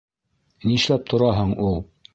Нишләп тораһың ул?